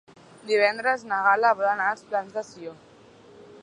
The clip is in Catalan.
Divendres na Gal·la vol anar als Plans de Sió.